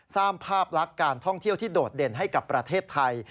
สร้างภาพลักษณ์การท่องเที่ยวที่โดดเด่นให้กับประเทศไทย